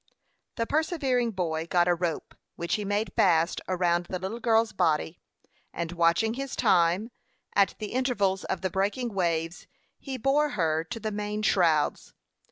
The persevering boy got a rope, which he made fast around the little girl's body, and watching his time, at the intervals of the breaking waves, he bore her to the main shrouds.